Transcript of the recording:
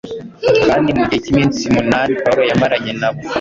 kandi mu gihe cy’iminsi munani Pawulo yamaranye na bo